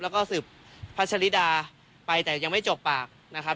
แล้วก็สืบพัชริดาไปแต่ยังไม่จบปากนะครับ